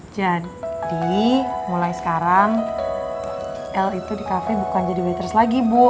jadi mulai sekarang el itu di cafe bukan jadi waitress lagi bu